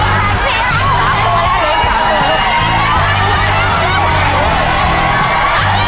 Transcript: อุ่ชักไปเลย